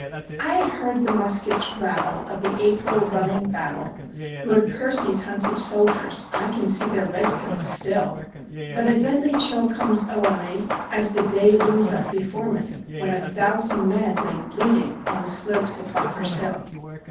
I had heard the muskets' rattle of the April running battle; Lord Percy's hunted soldiers, I can see their red coats still; But a deadly chill comes o'er me, as the day looms up before me, When a thousand men lay bleeding on the slopes of Bunker's Hill.